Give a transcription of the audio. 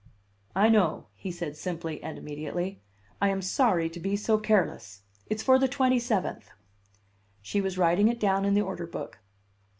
"I know," he said simply and immediately. "I am sorry to be so careless. It's for the twenty seventh." She was writing it down in the order book.